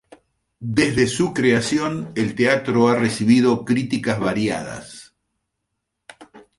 Desde su creación, el teatro ha recibido críticas variadas.